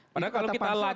padahal kalau kita lihat